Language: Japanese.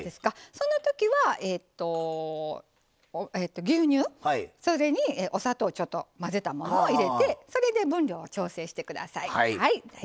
その時は牛乳それにお砂糖をちょっと混ぜたものを入れてそれで分量を調整して下さい。